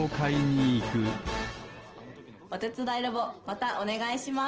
おてつだいロボまたおねがいします。